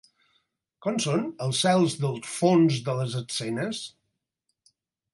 Com són els cels dels fons de les escenes?